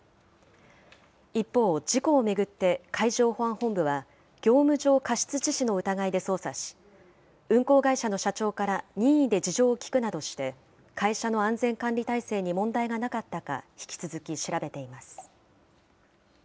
一方、事故を巡って海上保安本部は業務上過失致死の疑いで捜査し、運航会社の社長から任意で事情を聴くなどして、会社の安全管理体制に問題がなかったか、引き続き、調べています。